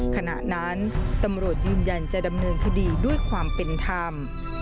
ขณะนั้นตำรวจยืนยันจะดำเนินคดีด้วยความเป็นธรรม